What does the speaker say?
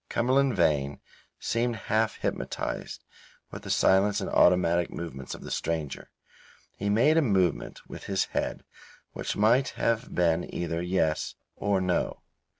Cumberland Vane seemed half hypnotized with the silence and automatic movements of the stranger; he made a movement with his head which might have been either "yes" or "no".